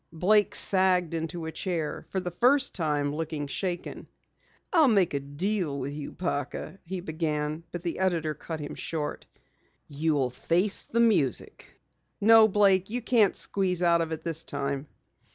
Blake sagged into a chair, for the first time looking shaken. "I'll make a deal with you, Parker," he began, but the editor cut him short. "You'll face the music! No, Blake, you can't squeeze out of it this time."